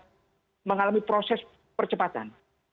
trus mengalami proses percepatan